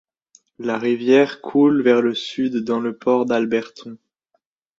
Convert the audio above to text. La rivière coule vers le sud dans le port d'Alberton.